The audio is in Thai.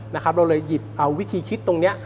เราเลยหยิบเอาวิธีคิดตรงนี้